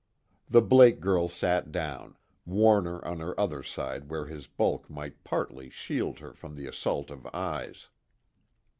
The Blake girl sat down, Warner on her other side where his bulk might partly shield her from the assault of eyes.